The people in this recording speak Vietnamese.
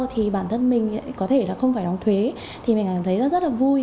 thì bản thân mình có thể là không phải đóng thuế thì mình thấy rất là vui